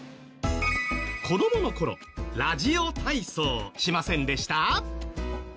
子供の頃ラジオ体操しませんでした？